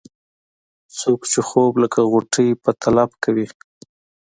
څوک چې خوب لکه غوټۍ په طلب کوي.